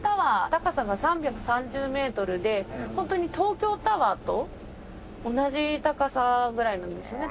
高さが３３０メートルでホントに東京タワーと同じ高さぐらいなんですよね。